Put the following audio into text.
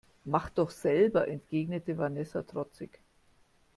Mach doch selber, entgegnete Vanessa trotzig.